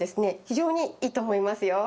非常にいいと思いますよ。